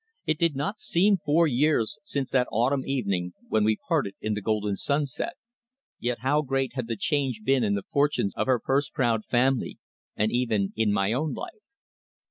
It did not seem four years since that autumn evening when we parted in the golden sunset. Yet how great had the change been in the fortunes of her purse proud family, and even in my own life.